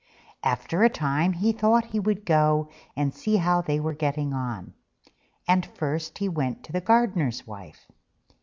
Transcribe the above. After a time he thought he would go and see how they were getting on; and first he went to the gardener's wife.